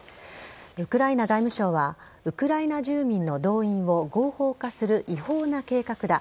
ウクライナ外務省はウクライナ住民の動員を合法化する違法な計画だ。